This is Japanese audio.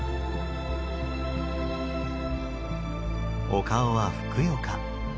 お顔はふくよか。